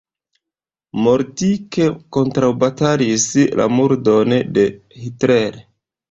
Moltke kontraŭbatalis la murdon de Hitler.